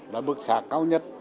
là bức sả cao nhất